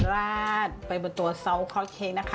ราดไปบนตัวซอสคอสเค้กนะคะ